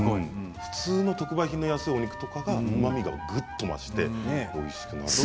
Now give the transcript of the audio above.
普通の特売品の肉や魚のうまみがぐっと増しておいしくなります。